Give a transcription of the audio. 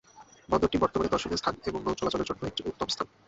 বন্দরটি বর্তমানে দর্শনীয় স্থান এবং নৌচলাচলের জন্য একটি উত্তম স্থান।